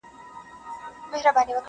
• زه چي کله دېوانه سوم فرزانه سوم,